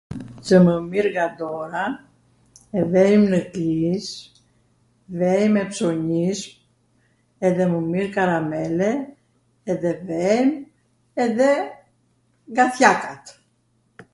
Cw mw mir nga dora, e vem nw kish, vem e psonism, edhe mw mir karamele, edhe vem edhe nga thjakat...